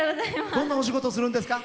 どんなお仕事するんですか？